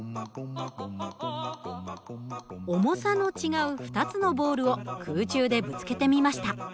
重さの違う２つのボールを空中でぶつけてみました。